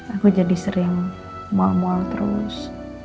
aku jadi sering mau mau terus